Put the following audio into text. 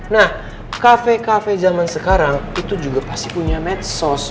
nah kafe kafe zaman sekarang itu juga pasti punya medsos